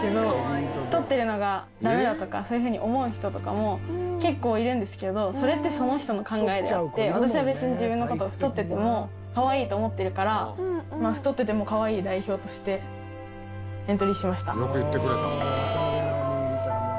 太ってるのがダメだとかそういうふうに思う人とかも結構いるんですけどそれってその人の考えであって私は別に自分の事を太っててもかわいいと思ってるから太っててもかわいい代表としてエントリーしました。